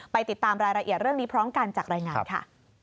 ติดตามรายละเอียดเรื่องนี้พร้อมกันจากรายงานค่ะ